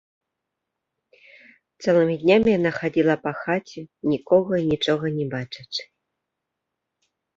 Цэлымі днямі яна хадзіла па хаце, нікога і нічога не бачачы.